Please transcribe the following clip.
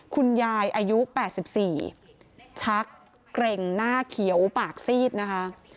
คุณยายอายุ๘๔ชักเกร็งหน้าเขียวปากซีดนะคะ